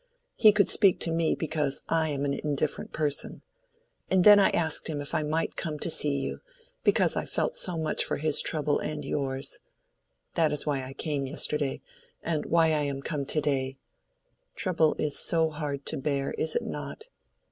He could speak to me because I am an indifferent person. And then I asked him if I might come to see you; because I felt so much for his trouble and yours. That is why I came yesterday, and why I am come to day. Trouble is so hard to bear, is it not?